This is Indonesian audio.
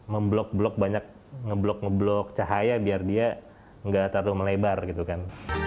memblok blok banyak ngeblok ngeblok cahaya biar dia nggak terlalu melebar gitu kan